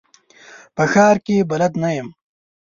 په ښار کي بلد نه یم .